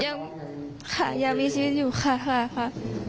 ยังค่ะยังมีชีวิตอยู่ค่ะ